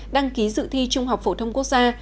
đăng ký dự thi trung học phổ thông quốc gia